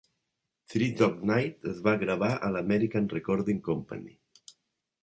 "Three Dog Night" es va gravar a l'American Recording Company.